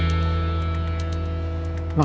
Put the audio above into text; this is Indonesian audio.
makasih ya pak